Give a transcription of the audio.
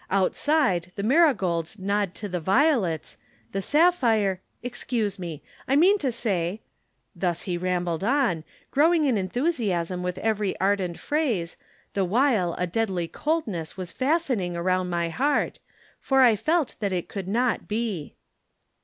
Outside, the marigolds nod to the violets, the sapphire excuse me, I mean to say ' thus he rambled on, growing in enthusiasm with every ardent phrase, the while a deadly coldness was fastening round my heart. For I felt that it could not be."